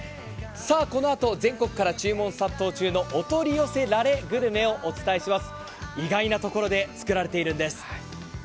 このあと全国から注文殺到中のお取り寄せグルメをご紹介します。